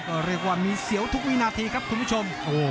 ก็เรียกว่ามีเสียวทุกวินาทีครับคุณผู้ชม